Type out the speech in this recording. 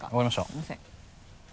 すみません。